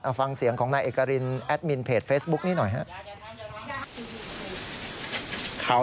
เอาฟังเสียงของนายเอกรินแอดมินเพจเฟซบุ๊คนี้หน่อยครับ